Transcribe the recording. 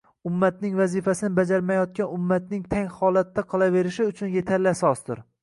ummatning – vazifasini bajarmayotgan ummatning tang holatda qolaverishi uchun yetarli asosdir.